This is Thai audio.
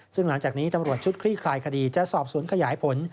ซึ่งหลังจากนี้ตำรวจชุดคลี่คลายคดีจะสอบสวนขยายผล